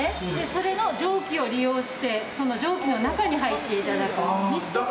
それの蒸気を利用して、その蒸気の中に入っていただく、ミストサウナ。